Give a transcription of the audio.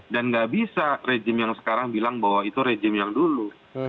dan nggak bisa rejim yang sekarang bilang bahwa itu rejim yang dulu